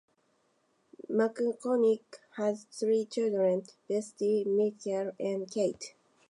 McCormick has three children, Betsy, Michael, and Katie.